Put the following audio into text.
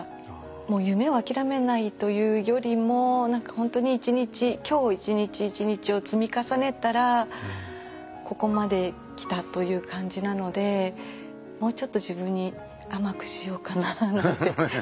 もう夢をあきらめないというよりも何か本当に一日今日一日一日を積み重ねたらここまで来たという感じなのでもうちょっと自分に甘くしようかななんて。